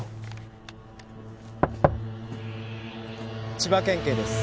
・千葉県警です。